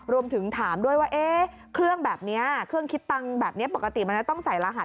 รวมถึงถามด้วยว่าเครื่องแบบนี้เครื่องคิดตังค์แบบนี้ปกติมันจะต้องใส่รหัส